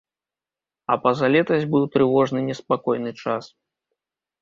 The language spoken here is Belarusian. А пазалетась быў трывожны неспакойны час.